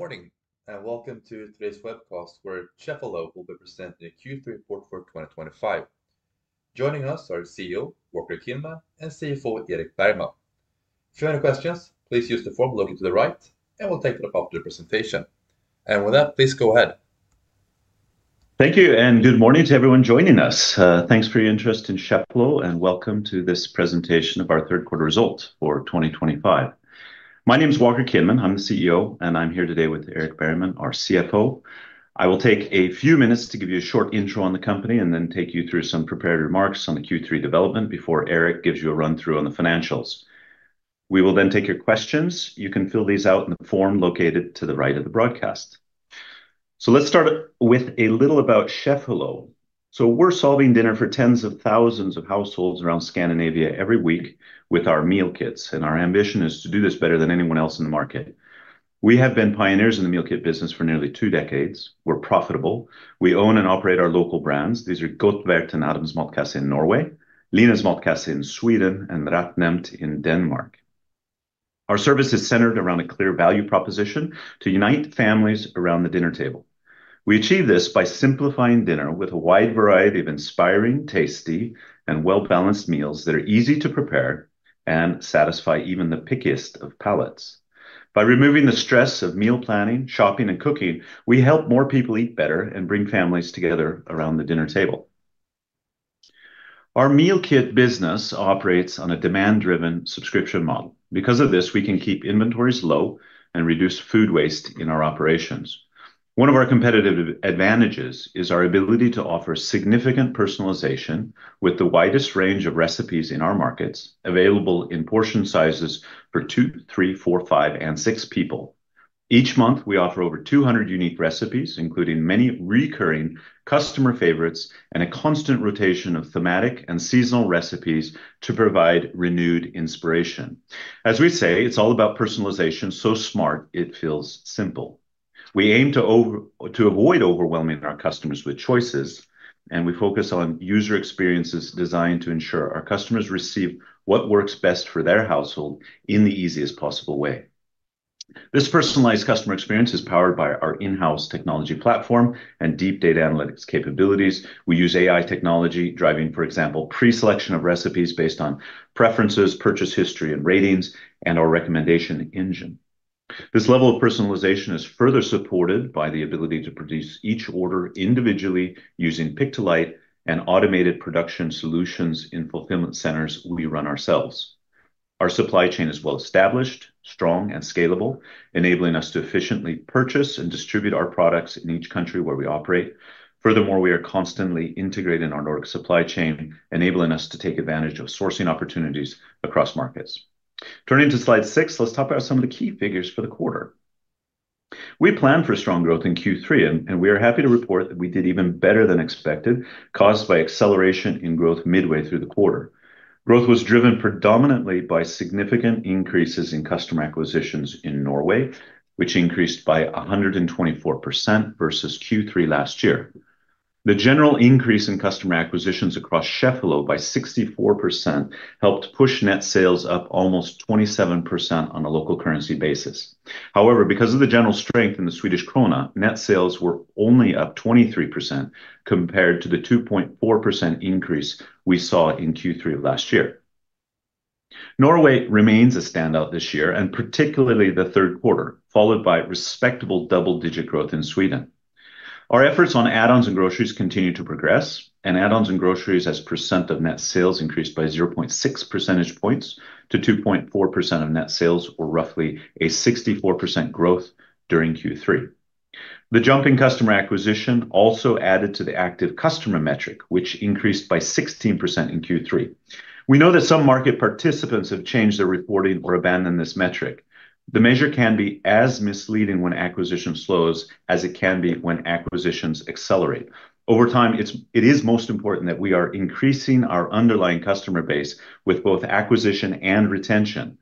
Good morning, and welcome to today's webcast, where Cheffelo will be presenting the Q3 portfolio 2025. Joining us are CEO Walker Kinman and CFO Erik Bergman. If you have any questions, please use the form located to the right, and we will take that up after the presentation. With that, please go ahead. Thank you, and good morning to everyone joining us. Thanks for your interest in Cheffelo, and welcome to this presentation of our third-quarter results for 2025. My name is Walker Kinman. I'm the CEO, and I'm here today with Erik Bergman, our CFO. I will take a few minutes to give you a short intro on the company and then take you through some prepared remarks on the Q3 development before Erik gives you a run-through on the financials. We will then take your questions. You can fill these out in the form located to the right of the broadcast. Let's start with a little about Cheffelo. We're solving dinner for tens of thousands of households around Scandinavia every week with our meal kits, and our ambition is to do this better than anyone else in the market. We have been pioneers in the meal kit business for nearly two decades. We're profitable. We own and operate our local brands. These are Godtlevert and Adams Matkasse in Norway, Lina’s Matkasse in Sweden, and Retnemt in Denmark. Our service is centered around a clear value proposition to unite families around the dinner table. We achieve this by simplifying dinner with a wide variety of inspiring, tasty, and well-balanced meals that are easy to prepare and satisfy even the pickiest of palates. By removing the stress of meal planning, shopping, and cooking, we help more people eat better and bring families together around the dinner table. Our meal kit business operates on a demand-driven subscription model. Because of this, we can keep inventories low and reduce food waste in our operations. One of our competitive advantages is our ability to offer significant personalization with the widest range of recipes in our markets, available in portion sizes for two, three, four, five, and six people. Each month, we offer over 200 unique recipes, including many recurring customer favorites and a constant rotation of thematic and seasonal recipes to provide renewed inspiration. As we say, it's all about personalization so smart it feels simple. We aim to avoid overwhelming our customers with choices, and we focus on user experiences designed to ensure our customers receive what works best for their household in the easiest possible way. This personalized customer experience is powered by our in-house technology platform and deep data analytics capabilities. We use AI technology, driving, for example, pre-selection of recipes based on preferences, purchase history, and ratings, and our recommendation engine. This level of personalization is further supported by the ability to produce each order individually using pick-to-light and automated production solutions in fulfillment centers we run ourselves. Our supply chain is well-established, strong, and scalable, enabling us to efficiently purchase and distribute our products in each country where we operate. Furthermore, we are constantly integrated in our Nordic supply chain, enabling us to take advantage of sourcing opportunities across markets. Turning to slide six, let's talk about some of the key figures for the quarter. We plan for strong growth in Q3, and we are happy to report that we did even better than expected, caused by acceleration in growth midway through the quarter. Growth was driven predominantly by significant increases in customer acquisitions in Norway, which increased by 124% versus Q3 last year. The general increase in customer acquisitions across Cheffelo by 64% helped push net sales up almost 27% on a local currency basis. However, because of the general strength in the Swedish krona, net sales were only up 23% compared to the 2.4% increase we saw in Q3 last year. Norway remains a standout this year, and particularly the third quarter, followed by respectable double-digit growth in Sweden. Our efforts on add-ons and groceries continue to progress, and add-ons and groceries as percent of net sales increased by 0.6 percentage points to 2.4% of net sales, or roughly a 64% growth during Q3. The jump in customer acquisition also added to the active customer metric, which increased by 16% in Q3. We know that some market participants have changed their reporting or abandoned this metric. The measure can be as misleading when acquisition slows as it can be when acquisitions accelerate. Over time, it is most important that we are increasing our underlying customer base with both acquisition and retention.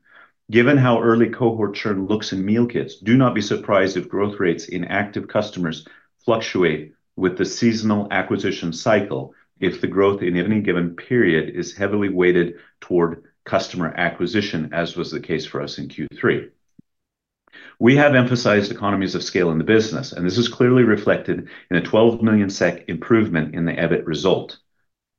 Given how early cohort churn looks in meal kits, do not be surprised if growth rates in active customers fluctuate with the seasonal acquisition cycle if the growth in any given period is heavily weighted toward customer acquisition, as was the case for us in Q3. We have emphasized economies of scale in the business, and this is clearly reflected in a 12 million SEK improvement in the EBIT result.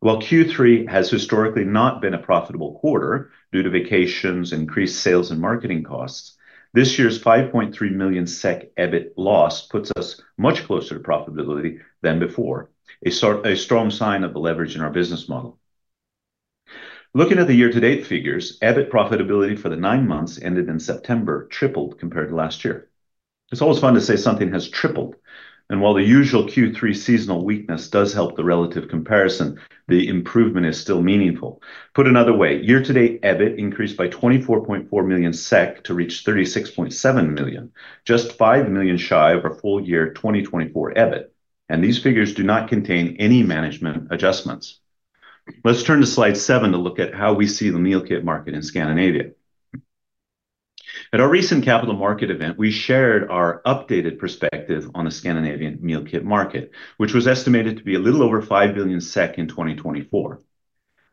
While Q3 has historically not been a profitable quarter due to vacations, increased sales, and marketing costs, this year's 5.3 million SEK EBIT loss puts us much closer to profitability than before, a strong sign of the leverage in our business model. Looking at the year-to-date figures, EBIT profitability for the nine months ended in September tripled compared to last year. It's always fun to say something has tripled. While the usual Q3 seasonal weakness does help the relative comparison, the improvement is still meaningful. Put another way, year-to-date EBIT increased by 24.4 million SEK to reach 36.7 million, just 5 million shy of our full year 2024 EBIT. These figures do not contain any management adjustments. Let's turn to slide seven to look at how we see the meal kit market in Scandinavia. At our recent capital market event, we shared our updated perspective on the Scandinavian meal kit market, which was estimated to be a little over 5 billion SEK in 2024.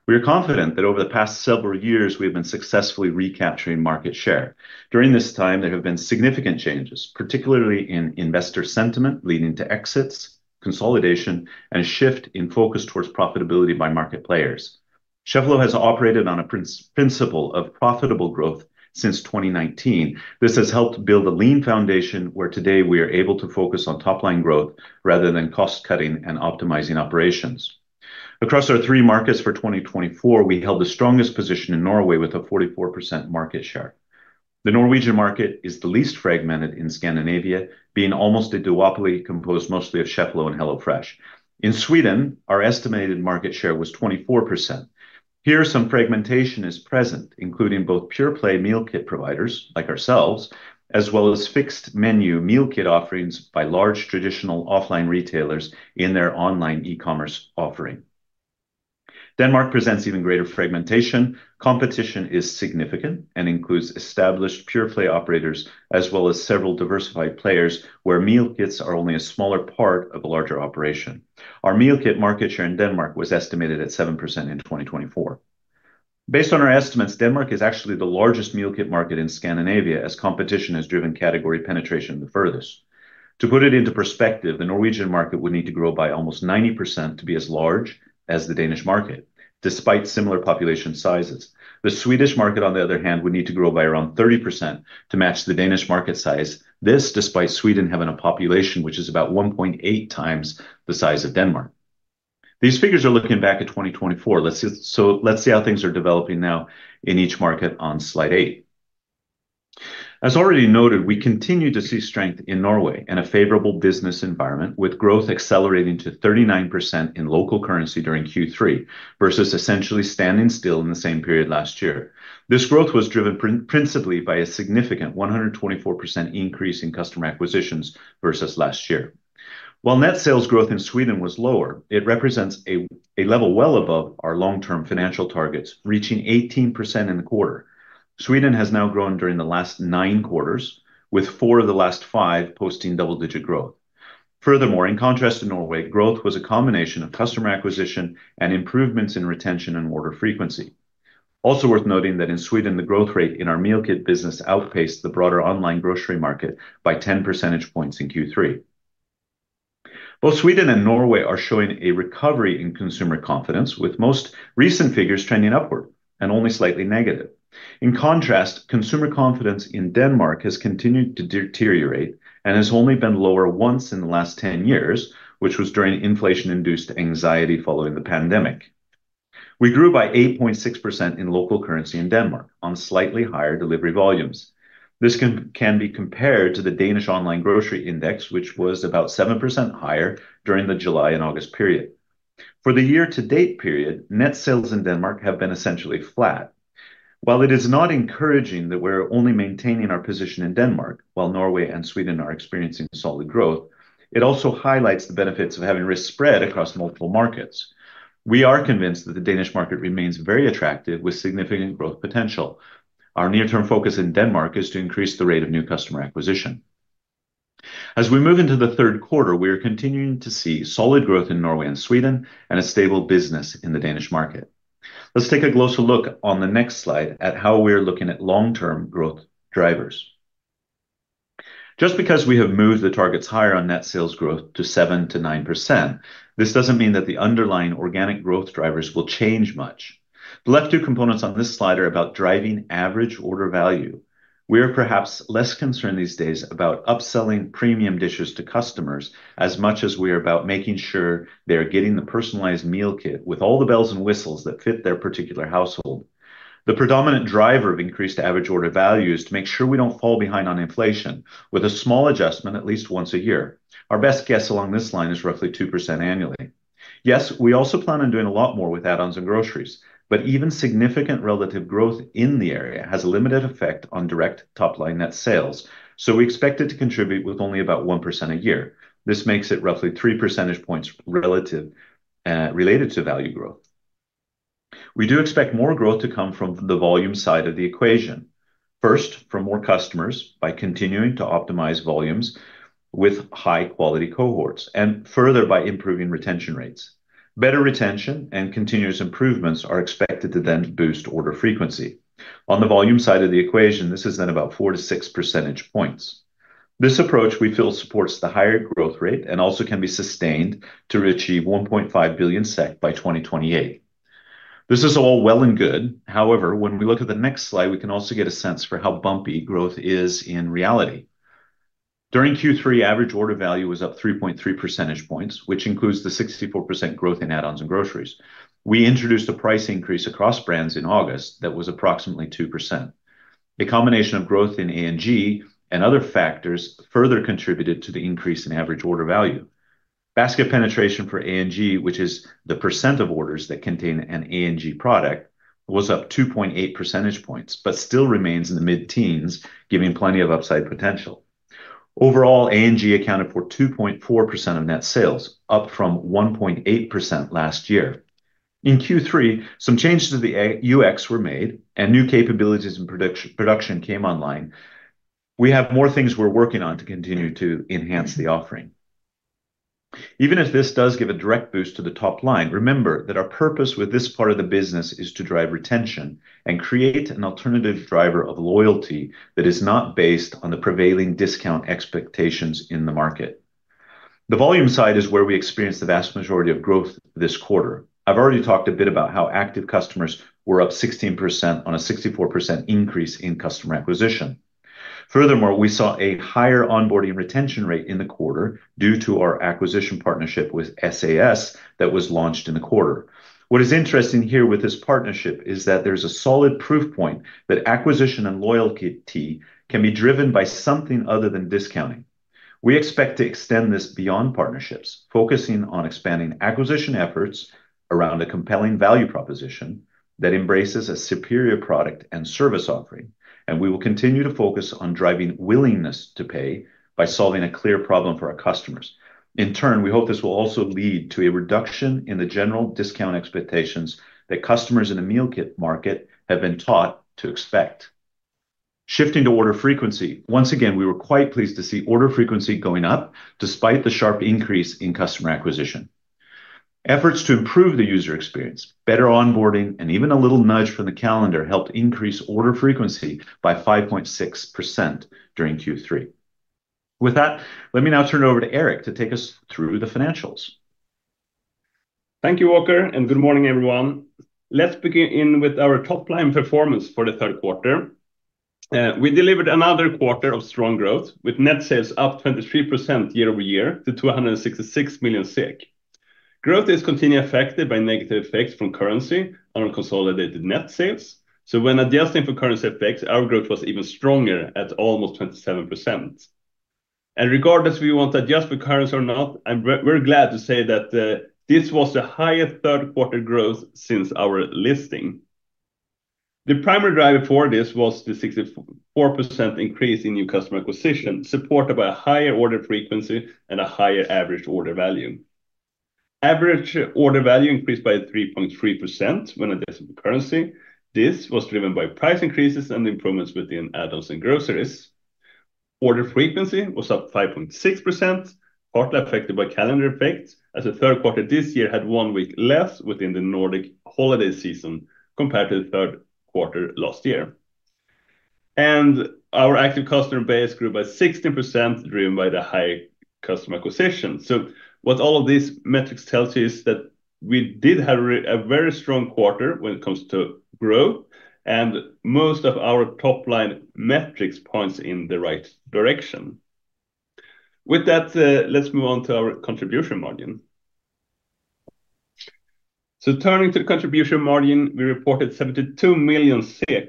We are confident that over the past several years, we have been successfully recapturing market share. During this time, there have been significant changes, particularly in investor sentiment, leading to exits, consolidation, and a shift in focus towards profitability by market players. Cheffelo has operated on a principle of profitable growth since 2019. This has helped build a lean foundation where today we are able to focus on top-line growth rather than cost-cutting and optimizing operations. Across our three markets for 2024, we held the strongest position in Norway with a 44% market share. The Norwegian market is the least fragmented in Scandinavia, being almost a duopoly composed mostly of Cheffelo and HelloFresh. In Sweden, our estimated market share was 24%. Here, some fragmentation is present, including both pure-play meal kit providers like ourselves, as well as fixed-menu meal kit offerings by large traditional offline retailers in their online e-commerce offering. Denmark presents even greater fragmentation. Competition is significant and includes established pure-play operators as well as several diversified players where meal kits are only a smaller part of a larger operation. Our meal kit market share in Denmark was estimated at 7% in 2024. Based on our estimates, Denmark is actually the largest meal kit market in Scandinavia, as competition has driven category penetration the furthest. To put it into perspective, the Norwegian market would need to grow by almost 90% to be as large as the Danish market, despite similar population sizes. The Swedish market, on the other hand, would need to grow by around 30% to match the Danish market size, this despite Sweden having a population which is about 1.8x the size of Denmark. These figures are looking back at 2024. Let's see how things are developing now in each market on slide eight. As already noted, we continue to see strength in Norway and a favorable business environment, with growth accelerating to 39% in local currency during Q3 versus essentially standing still in the same period last year. This growth was driven principally by a significant 124% increase in customer acquisitions versus last year. While net sales growth in Sweden was lower, it represents a level well above our long-term financial targets, reaching 18% in the quarter. Sweden has now grown during the last nine quarters, with four of the last five posting double-digit growth. Furthermore, in contrast to Norway, growth was a combination of customer acquisition and improvements in retention and order frequency. Also worth noting that in Sweden, the growth rate in our meal kit business outpaced the broader online grocery market by 10 percentage points in Q3. Both Sweden and Norway are showing a recovery in consumer confidence, with most recent figures trending upward and only slightly negative. In contrast, consumer confidence in Denmark has continued to deteriorate and has only been lower once in the last 10 years, which was during inflation-induced anxiety following the pandemic. We grew by 8.6% in local currency in Denmark on slightly higher delivery volumes. This can be compared to the Danish online grocery index, which was about 7% higher during the July and August period. For the year-to-date period, net sales in Denmark have been essentially flat. While it is not encouraging that we're only maintaining our position in Denmark, while Norway and Sweden are experiencing solid growth, it also highlights the benefits of having risk spread across multiple markets. We are convinced that the Danish market remains very attractive with significant growth potential. Our near-term focus in Denmark is to increase the rate of new customer acquisition. As we move into the third quarter, we are continuing to see solid growth in Norway and Sweden and a stable business in the Danish market. Let's take a closer look on the next slide at how we're looking at long-term growth drivers. Just because we have moved the targets higher on net sales growth to 7%-9%, this doesn't mean that the underlying organic growth drivers will change much. The left two components on this slide are about driving average order value. We are perhaps less concerned these days about upselling premium dishes to customers as much as we are about making sure they're getting the personalized meal kit with all the bells and whistles that fit their particular household. The predominant driver of increased average order value is to make sure we don't fall behind on inflation with a small adjustment at least once a year. Our best guess along this line is roughly 2% annually. Yes, we also plan on doing a lot more with add-ons and groceries, but even significant relative growth in the area has a limited effect on direct top-line net sales, so we expect it to contribute with only about 1% a year. This makes it roughly 3 percentage points. Relative related to value growth. We do expect more growth to come from the volume side of the equation. First, from more customers by continuing to optimize volumes with high-quality cohorts and further by improving retention rates. Better retention and continuous improvements are expected to then boost order frequency. On the volume side of the equation, this is then about 4 percentage points-6 percentage points. This approach, we feel, supports the higher growth rate and also can be sustained to achieve 1.5 billion SEK by 2028. This is all well and good. However, when we look at the next slide, we can also get a sense for how bumpy growth is in reality. During Q3, average order value was up 3.3 percentage points, which includes the 64% growth in add-ons and groceries. We introduced a price increase across brands in August that was approximately 2%. A combination of growth in A&G and other factors further contributed to the increase in average order value. Basket penetration for A&G, which is the percent of orders that contain an A&G product, was up 2.8 percentage points but still remains in the mid-teens, giving plenty of upside potential. Overall, A&G accounted for 2.4% of net sales, up from 1.8% last year. In Q3, some changes to the UX were made and new capabilities in production came online. We have more things we're working on to continue to enhance the offering. Even if this does give a direct boost to the top line, remember that our purpose with this part of the business is to drive retention and create an alternative driver of loyalty that is not based on the prevailing discount expectations in the market. The volume side is where we experienced the vast majority of growth this quarter. I've already talked a bit about how active customers were up 16% on a 64% increase in customer acquisition. Furthermore, we saw a higher onboarding retention rate in the quarter due to our acquisition partnership with SAS that was launched in the quarter. What is interesting here with this partnership is that there's a solid proof point that acquisition and loyalty can be driven by something other than discounting. We expect to extend this beyond partnerships, focusing on expanding acquisition efforts around a compelling value proposition that embraces a superior product and service offering. We will continue to focus on driving willingness to pay by solving a clear problem for our customers. In turn, we hope this will also lead to a reduction in the general discount expectations that customers in the meal kit market have been taught to expect. Shifting to order frequency, once again, we were quite pleased to see order frequency going up despite the sharp increase in customer acquisition. Efforts to improve the user experience, better onboarding, and even a little nudge from the calendar helped increase order frequency by 5.6% during Q3. With that, let me now turn it over to Erik to take us through the financials. Thank you, Walker, and good morning, everyone. Let's begin with our top-line performance for the third quarter. We delivered another quarter of strong growth with net sales up 23% year-over-year to 266 million. Growth is continually affected by negative effects from currency on consolidated net sales. When adjusting for currency effects, our growth was even stronger at almost 27%. Regardless if we want to adjust for currency or not, we're glad to say that this was the highest third-quarter growth since our listing. The primary driver for this was the 64% increase in new customer acquisition supported by a higher order frequency and a higher average order value. Average order value increased by 3.3% when adjusted for currency. This was driven by price increases and improvements within add-ons and groceries. Order frequency was up 5.6%, partly affected by calendar effects as the third quarter this year had one week less within the Nordic holiday season compared to the third quarter last year. Our active customer base grew by 16% driven by the high customer acquisition. What all of these metrics tell you is that we did have a very strong quarter when it comes to growth and most of our top-line metrics point in the right direction. With that, let's move on to our contribution margin. Turning to the contribution margin, we reported 72 million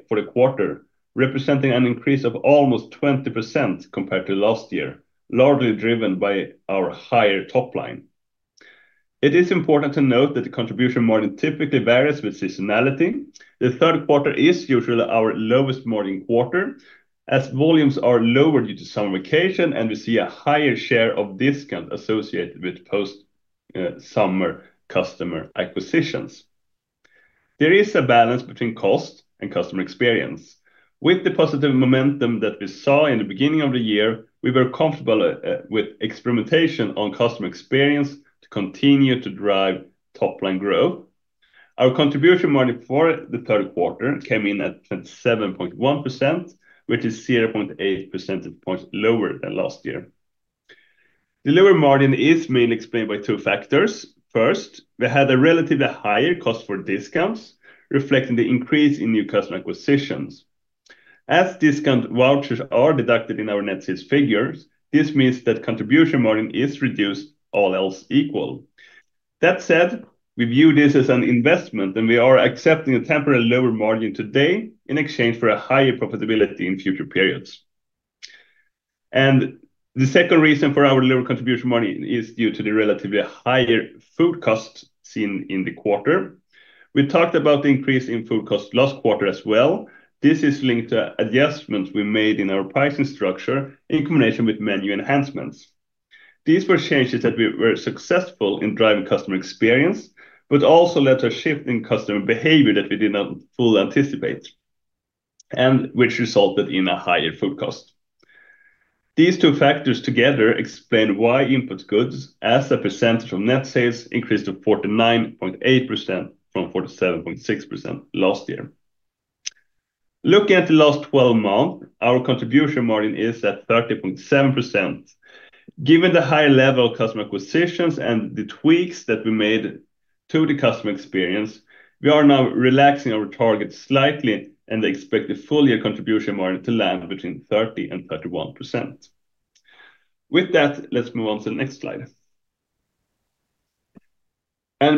for the quarter, representing an increase of almost 20% compared to last year, largely driven by our higher top line. It is important to note that the contribution margin typically varies with seasonality. The third quarter is usually our lowest margin quarter as volumes are lower due to summer vacation, and we see a higher share of discount associated with post-summer customer acquisitions. There is a balance between cost and customer experience. With the positive momentum that we saw in the beginning of the year, we were comfortable with experimentation on customer experience to continue to drive top-line growth. Our contribution margin for the third quarter came in at 27.1%, which is 0.8 percentage points lower than last year. The lower margin is mainly explained by two factors. First, we had a relatively higher cost for discounts, reflecting the increase in new customer acquisitions. As discount vouchers are deducted in our net sales figures, this means that contribution margin is reduced all else equal. That said, we view this as an investment, and we are accepting a temporary lower margin today in exchange for a higher profitability in future periods. The second reason for our lower contribution margin is due to the relatively higher food costs seen in the quarter. We talked about the increase in food costs last quarter as well. This is linked to adjustments we made in our pricing structure in combination with menu enhancements. These were changes that we were successful in driving customer experience, but also led to a shift in customer behavior that we did not fully anticipate, and which resulted in a higher food cost. These two factors together explain why input goods, as a percentage of net sales, increased to 49.8% from 47.6% last year. Looking at the last 12 months, our contribution margin is at 30.7%. Given the high level of customer acquisitions and the tweaks that we made to the customer experience, we are now relaxing our target slightly and expect the full year contribution margin to land between 30%-31%. With that, let's move on to the next slide.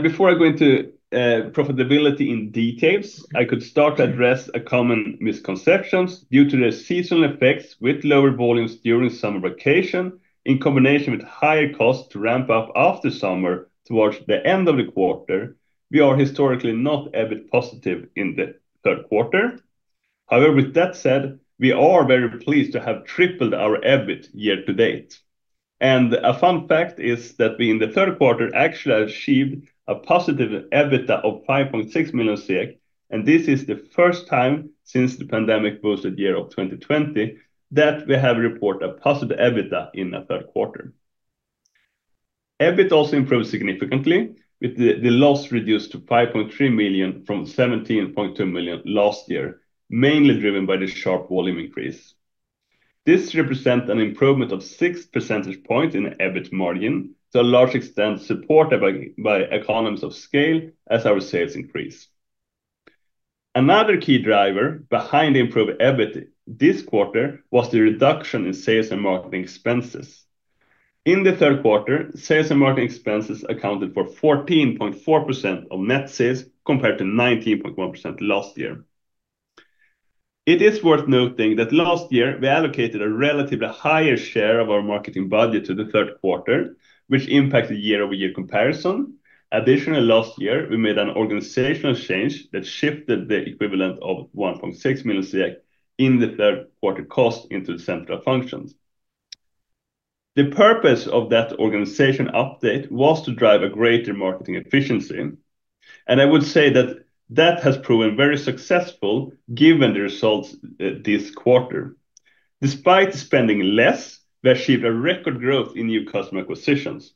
Before I go into profitability in details, I could start to address a common misconception due to the seasonal effects with lower volumes during summer vacation in combination with higher costs to ramp up after summer towards the end of the quarter. We are historically not EBIT positive in the third quarter. However, with that said, we are very pleased to have tripled our EBIT year to date. A fun fact is that we in the third quarter actually achieved a positive EBITDA of 5.6 million SEK, and this is the first time since the pandemic posted year of 2020 that we have reported a positive EBITDA in the third quarter. EBIT also improved significantly, with the loss reduced to 5.3 million from 17.2 million last year, mainly driven by the sharp volume increase. This represents an improvement of 6 percentage points in the EBIT margin, to a large extent supported by economies of scale as our sales increase. Another key driver behind the improved EBIT this quarter was the reduction in sales and marketing expenses. In the third quarter, sales and marketing expenses accounted for 14.4% of net sales compared to 19.1% last year. It is worth noting that last year, we allocated a relatively higher share of our marketing budget to the third quarter, which impacted year-over-year comparison. Additionally, last year, we made an organizational change that shifted the equivalent of 1.6 million in the third quarter cost into the central functions. The purpose of that organization update was to drive a greater marketing efficiency. I would say that that has proven very successful given the results this quarter. Despite spending less, we achieved a record growth in new customer acquisitions.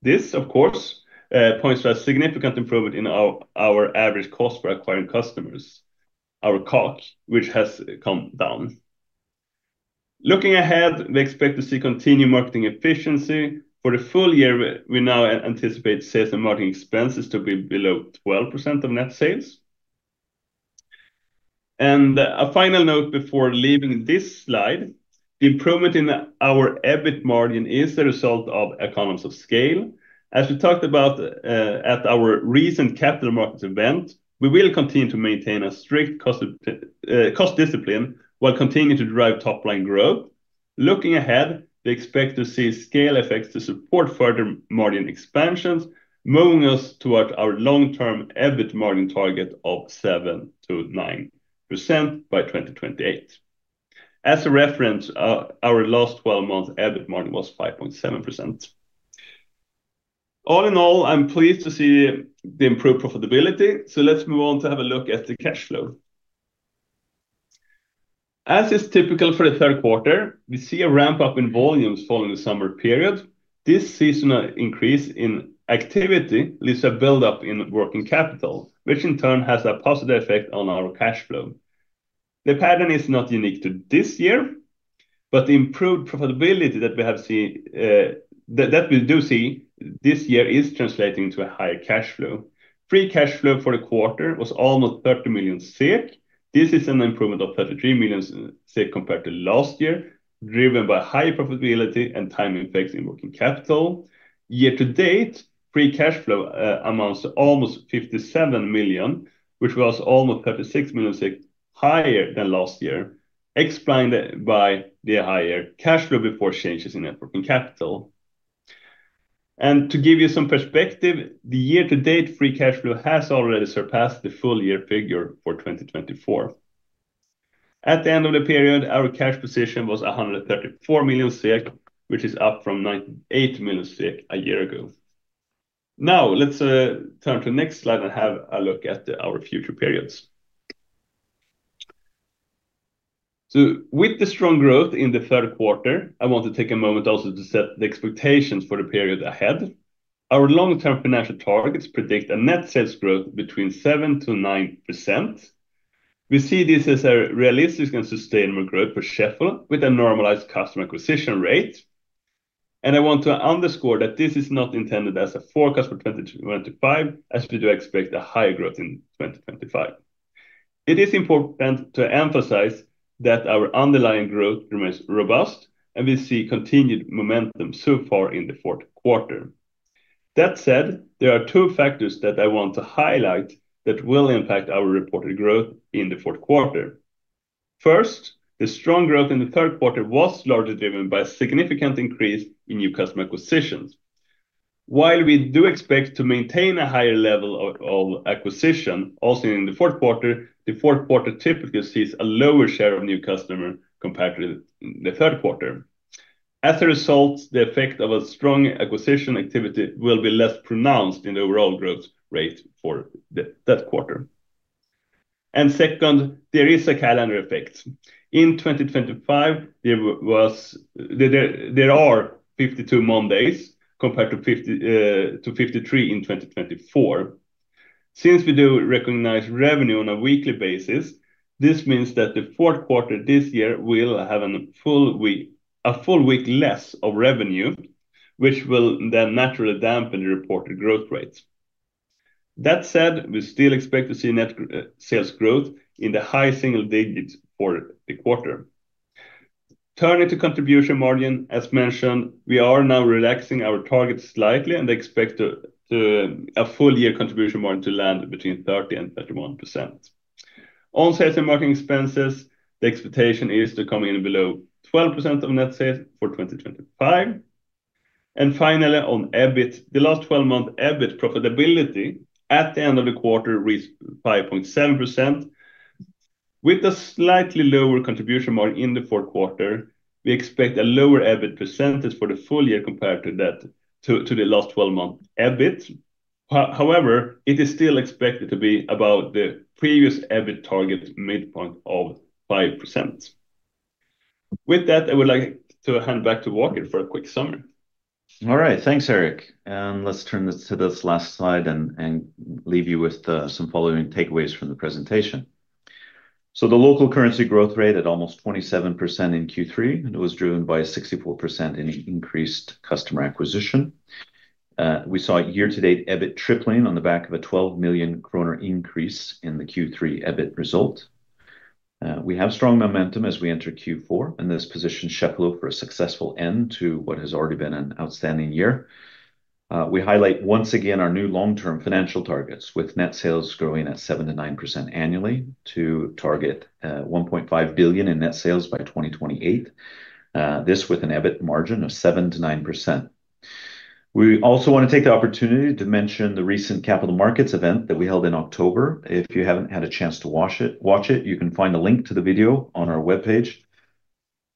This, of course, points to a significant improvement in our average cost for acquiring customers, our CAC, which has come down. Looking ahead, we expect to see continued marketing efficiency. For the full year, we now anticipate sales and marketing expenses to be below 12% of net sales. A final note before leaving this slide: the improvement in our EBIT margin is the result of economies of scale. As we talked about at our recent capital markets event, we will continue to maintain a strict cost discipline while continuing to drive top-line growth. Looking ahead, we expect to see scale effects to support further margin expansions, moving us toward our long-term EBIT margin target of 7%-9% by 2028. As a reference, our last 12 months EBIT margin was 5.7%. All in all, I'm pleased to see the improved profitability. Let's move on to have a look at the cash flow. As is typical for the third quarter, we see a ramp-up in volumes following the summer period. This seasonal increase in activity leads to a build-up in working capital, which in turn has a positive effect on our cash flow. The pattern is not unique to this year, but the improved profitability that we have seen this year is translating into a higher cash flow. Free cash flow for the quarter was almost 30 million. This is an improvement of 33 million compared to last year, driven by higher profitability and time-effective working capital. Year to date, free cash flow amounts to almost 57 million, which was almost 36 million higher than last year, explained by the higher cash flow before changes in net working capital. To give you some perspective, the year-to-date free cash flow has already surpassed the full-year figure for 2024. At the end of the period, our cash position was 134 million SEK, which is up from 98 million SEK a year ago. Now, let's turn to the next slide and have a look at our future periods. With the strong growth in the third quarter, I want to take a moment also to set the expectations for the period ahead. Our long-term financial targets predict a net sales growth between 7%-9%. We see this as a realistic and sustainable growth for Cheffelo with a normalized customer acquisition rate. I want to underscore that this is not intended as a forecast for 2025, as we do expect a higher growth in 2025. It is important to emphasize that our underlying growth remains robust, and we see continued momentum so far in the fourth quarter. That said, there are two factors that I want to highlight that will impact our reported growth in the fourth quarter. First, the strong growth in the third quarter was largely driven by a significant increase in new customer acquisitions. While we do expect to maintain a higher level of acquisition also in the fourth quarter, the fourth quarter typically sees a lower share of new customers compared to the third quarter. As a result, the effect of a strong acquisition activity will be less pronounced in the overall growth rate for that quarter. Second, there is a calendar effect. In 2025, there are 52 Mondays compared to 53 in 2024. Since we do recognize revenue on a weekly basis, this means that the fourth quarter this year will have a full week less of revenue, which will then naturally dampen the reported growth rates. That said, we still expect to see net sales growth in the high single digits for the quarter. Turning to contribution margin, as mentioned, we are now relaxing our target slightly and expect a full year contribution margin to land between 30%-31%. On sales and marketing expenses, the expectation is to come in below 12% of net sales for 2025. Finally, on EBIT, the last 12-month EBIT profitability at the end of the quarter reached 5.7%. With a slightly lower contribution margin in the fourth quarter, we expect a lower EBIT percentage for the full year compared to the last 12-month EBIT. However, it is still expected to be about the previous EBIT target midpoint of 5%. With that, I would like to hand back to Walker for a quick summary. All right, thanks, Erik. Let's turn to this last slide and leave you with some following takeaways from the presentation. The local currency growth rate at almost 27% in Q3 was driven by a 64% increased customer acquisition. We saw year-to-date EBIT tripling on the back of a 12 million kronor increase in the Q3 EBIT result. We have strong momentum as we enter Q4, and this positions Cheffelo for a successful end to what has already been an outstanding year. We highlight once again our new long-term financial targets with net sales growing at 7%-9% annually to target 1.5 billion in net sales by 2028. This with an EBIT margin of 7%-9%. We also want to take the opportunity to mention the recent capital markets event that we held in October. If you have not had a chance to watch it, you can find a link to the video on our web page.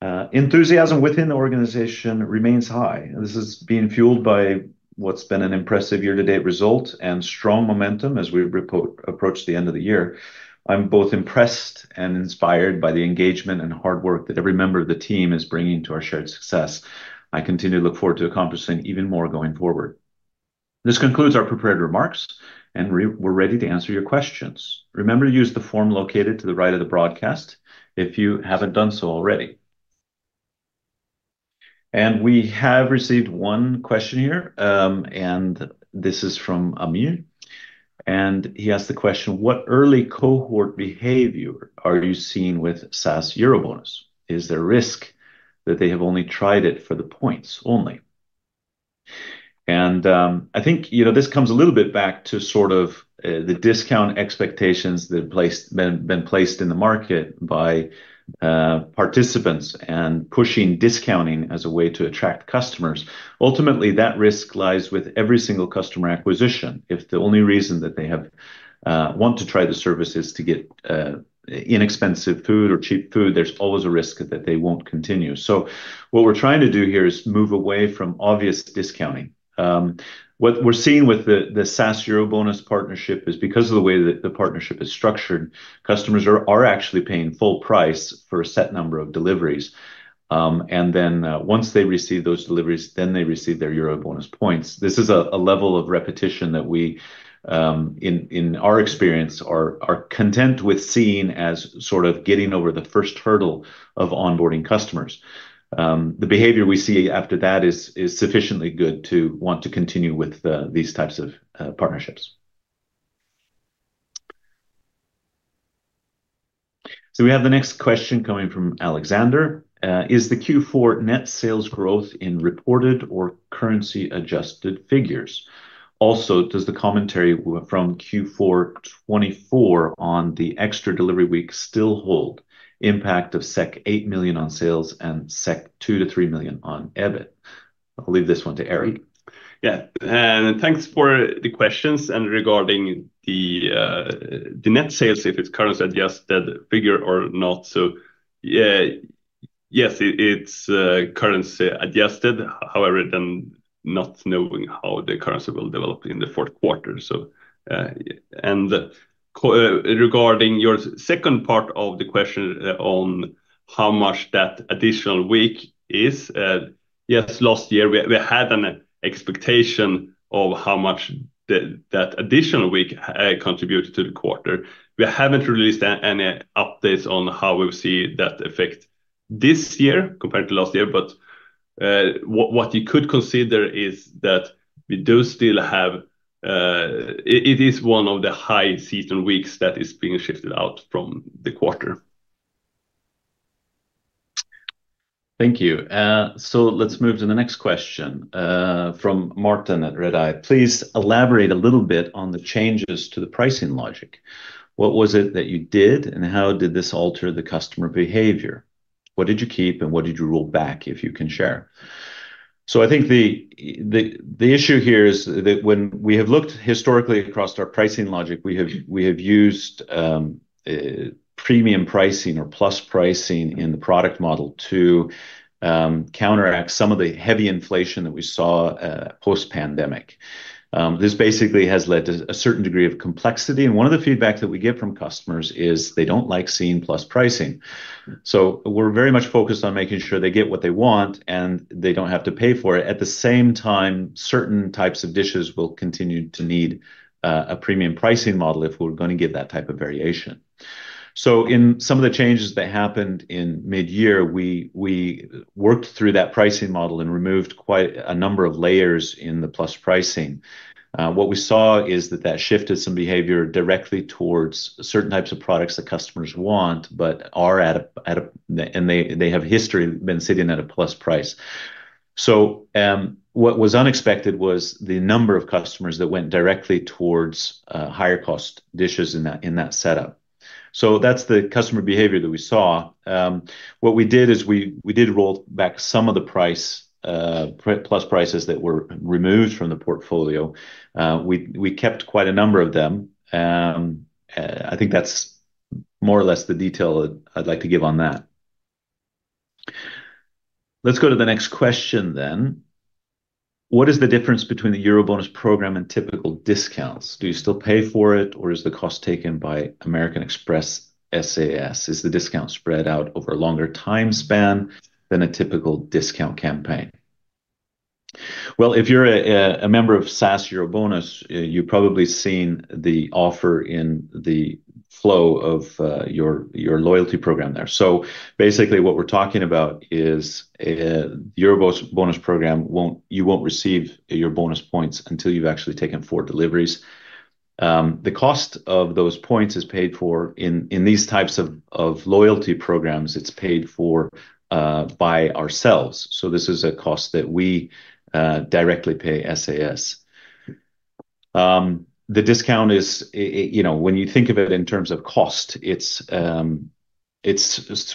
Enthusiasm within the organization remains high. This is being fueled by what has been an impressive year-to-date result and strong momentum as we approach the end of the year. I am both impressed and inspired by the engagement and hard work that every member of the team is bringing to our shared success. I continue to look forward to accomplishing even more going forward. This concludes our prepared remarks, and we are ready to answer your questions. Remember to use the form located to the right of the broadcast if you have not done so already. We have received one question here, and this is from Amir. He asked the question, "What early cohort behavior are you seeing with SAS EuroBonus? Is there a risk that they have only tried it for the points only?" I think this comes a little bit back to sort of the discount expectations that have been placed in the market by participants and pushing discounting as a way to attract customers. Ultimately, that risk lies with every single customer acquisition. If the only reason that they have wanted to try the service is to get inexpensive food or cheap food, there is always a risk that they will not continue. What we are trying to do here is move away from obvious discounting. What we are seeing with the SAS EuroBonus partnership is because of the way that the partnership is structured, customers are actually paying full price for a set number of deliveries. Once they receive those deliveries, then they receive their EuroBonus points. This is a level of repetition that we, in our experience, are content with seeing as sort of getting over the first hurdle of onboarding customers. The behavior we see after that is sufficiently good to want to continue with these types of partnerships. We have the next question coming from Alexander. "Is the Q4 net sales growth in reported or currency-adjusted figures? Also, does the commentary from Q4 2024 on the extra delivery week still hold? Impact of 8 million on sales and 2 million- 3 million on EBIT?" I will leave this one to Erik. Yeah, and thanks for the questions regarding the net sales, if it is currency-adjusted figure or not. Yes, it is currency-adjusted, however, then not knowing how the currency will develop in the fourth quarter. Regarding your second part of the question on how much that additional week is. Yes, last year, we had an expectation of how much that additional week contributed to the quarter. We have not released any updates on how we see that effect this year compared to last year. What you could consider is that we do still have. It is one of the high season weeks that is being shifted out from the quarter. Thank you. Let's move to the next question from Martin at Redeye. "Please elaborate a little bit on the changes to the pricing logic. What was it that you did, and how did this alter the customer behavior? What did you keep, and what did you roll back, if you can share?" I think the issue here is that when we have looked historically across our pricing logic, we have used premium pricing or plus pricing in the product model to counteract some of the heavy inflation that we saw post-pandemic. This basically has led to a certain degree of complexity. One of the feedback that we get from customers is they do not like seeing plus pricing. We are very much focused on making sure they get what they want and they do not have to pay for it. At the same time, certain types of dishes will continue to need a premium pricing model if we are going to give that type of variation. In some of the changes that happened in mid-year, we worked through that pricing model and removed quite a number of layers in the plus pricing. What we saw is that shifted some behavior directly towards certain types of products that customers want but are at a—and they have history of been sitting at a plus price. What was unexpected was the number of customers that went directly towards higher-cost dishes in that setup. That is the customer behavior that we saw. What we did is we did roll back some of the plus prices that were removed from the portfolio. We kept quite a number of them. I think that is more or less the detail I would like to give on that. Let's go to the next question then. "What is the difference between the EuroBonus program and typical discounts? Do you still pay for it, or is the cost taken by American Express SAS? Is the discount spread out over a longer time span than a typical discount campaign?" If you are a member of SAS EuroBonus, you have probably seen the offer in the flow of your loyalty program there. Basically, what we are talking about is the EuroBonus program, you will not receive your bonus points until you have actually taken four deliveries. The cost of those points is paid for in these types of loyalty programs. It is paid for by ourselves. This is a cost that we directly pay SAS. The discount is, when you think of it in terms of cost, it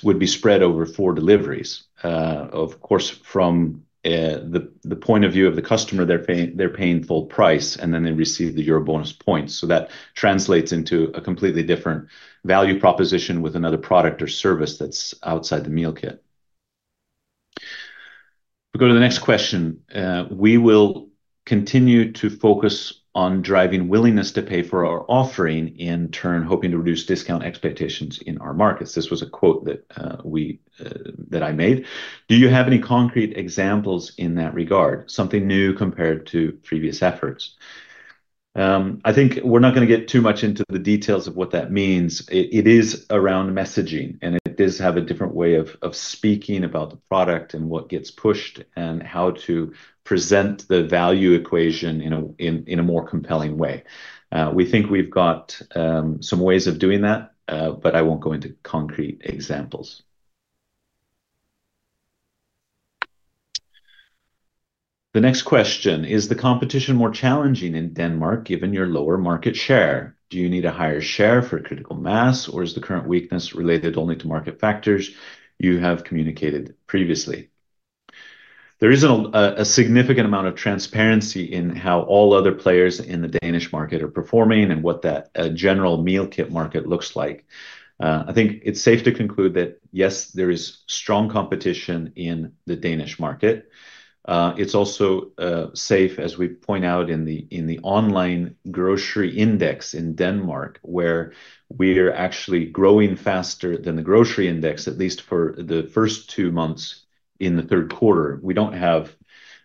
would be spread over four deliveries. Of course, from the point of view of the customer, they are paying full price, and then they receive the EuroBonus points. That translates into a completely different value proposition with another product or service that is outside the meal kit. We go to the next question. "We will. Continue to focus on driving willingness to pay for our offering, in turn hoping to reduce discount expectations in our markets. This was a quote that I made. "Do you have any concrete examples in that regard? Something new compared to previous efforts?" I think we're not going to get too much into the details of what that means. It is around messaging, and it does have a different way of speaking about the product and what gets pushed and how to present the value equation in a more compelling way. We think we've got some ways of doing that, but I won't go into concrete examples. The next question, "Is the competition more challenging in Denmark given your lower market share? Do you need a higher share for critical mass, or is the current weakness related only to market factors you have communicated previously?" There is a significant amount of transparency in how all other players in the Danish market are performing and what that general meal kit market looks like. I think it's safe to conclude that, yes, there is strong competition in the Danish market. It's also safe, as we point out, in the online grocery index in Denmark, where we are actually growing faster than the grocery index, at least for the first two months in the third quarter. We don't have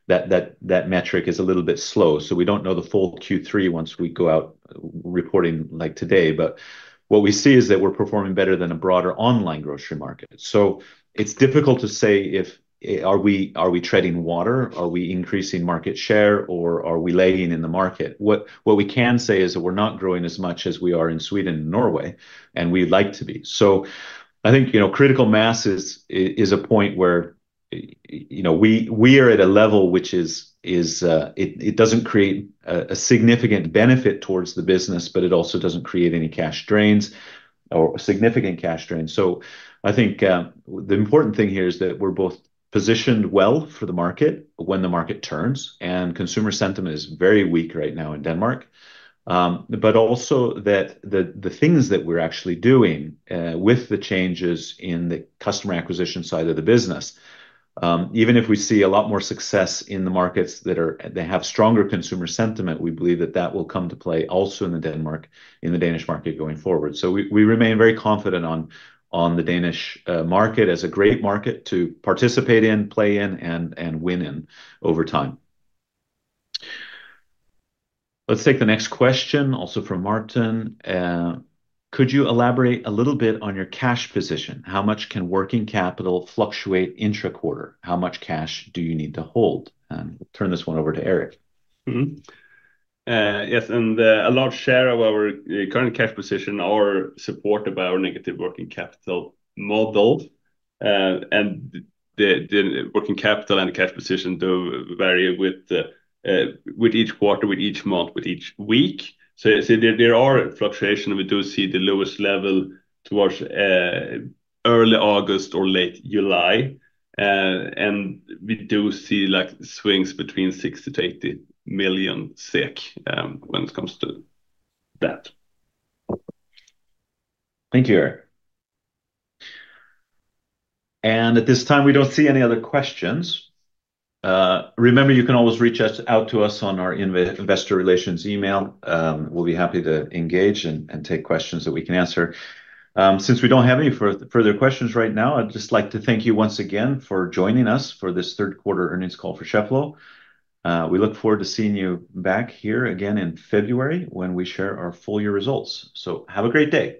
that metric. It's a little bit slow. We don't know the full Q3 once we go out reporting like today. What we see is that we're performing better than a broader online grocery market. It's difficult to say if we are treading water, are we increasing market share, or are we lagging in the market. What we can say is that we're not growing as much as we are in Sweden and Norway, and we'd like to be. I think critical mass is a point where we are at a level which it doesn't create a significant benefit towards the business, but it also doesn't create any cash drains or significant cash drains. I think the important thing here is that we're both positioned well for the market when the market turns, and consumer sentiment is very weak right now in Denmark. Also, the things that we're actually doing with the changes in the customer acquisition side of the business, even if we see a lot more success in the markets that have stronger consumer sentiment, we believe that that will come to play also in the Danish market going forward. We remain very confident on the Danish market as a great market to participate in, play in, and win in over time. Let's take the next question, also from Martin. "Could you elaborate a little bit on your cash position? How much can working capital fluctuate intra-quarter? How much cash do you need to hold?" We'll turn this one over to Erik. Yes. A large share of our current cash position are supported by our negative working capital model. The working capital and the cash position do vary with each quarter, with each month, with each week. There are fluctuations. We do see the lowest level towards early August or late July. We do see swings between 60 million-80 million SEK when it comes to that. Thank you, Erik. At this time, we don't see any other questions. Remember, you can always reach out to us on our investor relations email. We'll be happy to engage and take questions that we can answer. Since we don't have any further questions right now, I'd just like to thank you once again for joining us for this third-quarter earnings call for Cheffelo. We look forward to seeing you back here again in February when we share our full-year results. Have a great day.